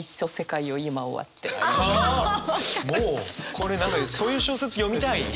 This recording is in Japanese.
これ何かそういう小説読みたい。